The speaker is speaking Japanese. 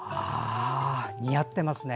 似合ってますね。